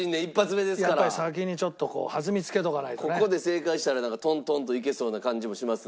ここで正解したらトントンといけそうな感じもしますんで。